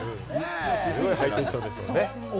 すごいハイテンションですよね。